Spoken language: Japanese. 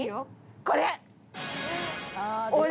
これ！